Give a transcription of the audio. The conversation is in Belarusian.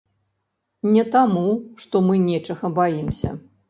Не таму, што мы нечага баімся!